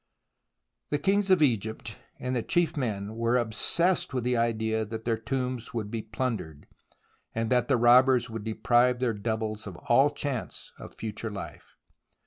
The kings of Egypt and the chief men were obsessed with the idea that their tombs would be plundered, and that the robbers would deprive their doubles of all chance of future life.